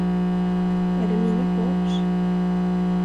Är det mina shorts?